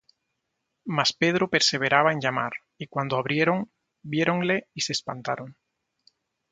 Mas Pedro perseveraba en llamar: y cuando abrieron, viéronle, y se espantaron.